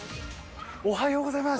おはようございます！